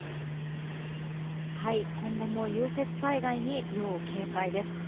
今後も融雪災害に要警戒です。